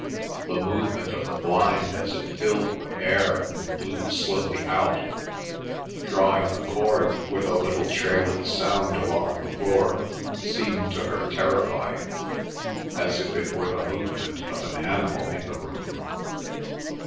The movement of the blind as it filled with air and blew slowly out, drawing the cord with a little trailing sound along the floor, seemed to her terrifying, as if it were the movement of an animal in the room.